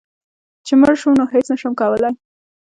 چي مړ شوم نو هيڅ نشم کولی